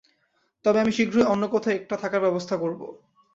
তবে আমি শীঘ্রই অন্য কোথাও একটা থাকার ব্যবস্থা করবো।